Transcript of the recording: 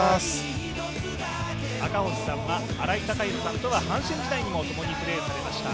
赤星さんは新井貴浩さんとは阪神時代に共にプレーされました。